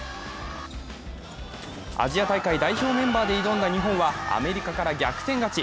アジア大会代表メンバーで挑んだ日本はアメリカから逆転勝ち。